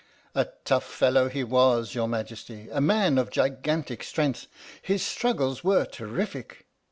"A tough fellow he was, your Majesty a man of gigantic strength. His struggles were terrific."